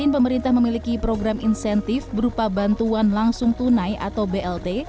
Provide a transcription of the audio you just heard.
pemerintah memiliki program insentif berupa bantuan langsung tunai atau blt